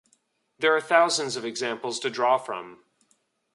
There are thousands of examples to draw from.